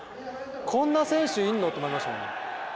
こんな選手いんの？って思いましたね。